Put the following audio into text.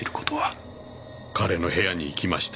彼の部屋に行きました。